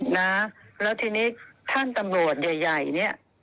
นะแล้วทีนี้ท่านตำรวจใหญ่เนี่ย